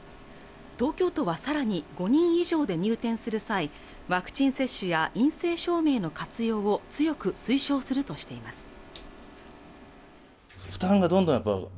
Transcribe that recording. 東京都は更に５人以上で入店する際ワクチン接種や陰性証明の活用を強く推奨するとしています